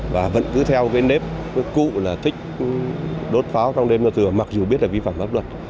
và vẫn cứ theo cái nếp cụ là thích đốt pháo trong đêm mưa thừa mặc dù biết là vi phạm bất luật